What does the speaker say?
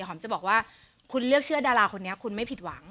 หอมจะบอกว่าคุณเลือกเชื่อดาราคนนี้คุณไม่ผิดหวัง